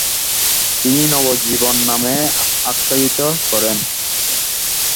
তিনি “নব জীবন” নামে আখ্যায়িত করেন।